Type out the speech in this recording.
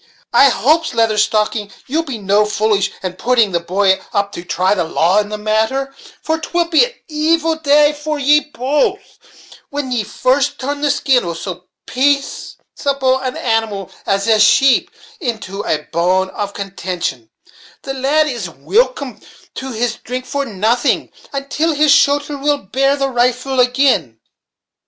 I hopes, Lather Stocking, ye'll no be foolish, and putting the boy up to try the law in the matter; for 'twill be an evil day to ye both, when ye first turn the skin of so paceable an animal as a sheep into a bone of contention, The lad is wilcome to his drink for nothing, until his shoulther will bear the rifle agin."